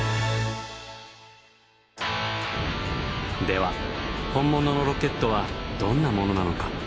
では本物のロケットはどんなものなのか？